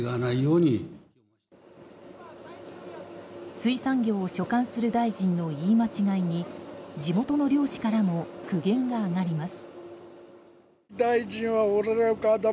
水産業を所管する大臣の言い間違いに地元の漁師からも苦言が上がります。